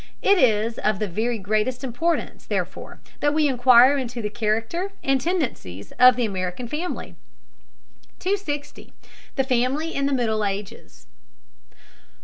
It is of the very greatest importance, therefore, that we inquire into the character and tendencies of the American family. 260. THE FAMILY IN THE MIDDLE AGES.